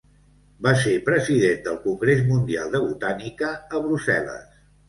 Va ser president del Congrés Mundial de Botànica, a Brussel·les.